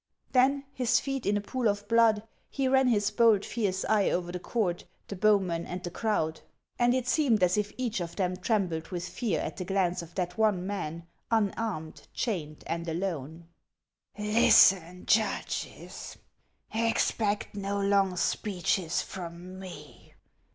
Then, his feet in a pool of blood, he ran his bold, fierce eye over the court, the bowmen, and the crowd ; and it seemed as if each of them trembled witli fear at the glance of that one man, unarmed, chained, and alone. " Listen, judges ; expect no long speeches from me.